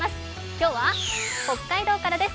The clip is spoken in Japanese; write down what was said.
今日は北海道からです。